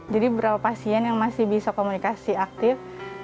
jadi berapa pasien yang masih bisa komunikasi aktif